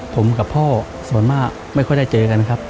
ผมกับพ่อส่วนมากไม่ค่อยได้เจอกันครับ